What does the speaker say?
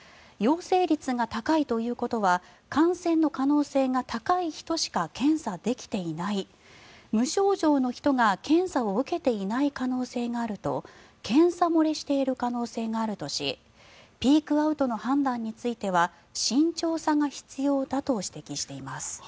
陽性率が高いということは感染の可能性が高い人しか検査できていない無症状の人が検査を受けていない可能性があると検査漏れしている可能性があるとしピークアウトの判断については慎重さが必要だと指摘しています。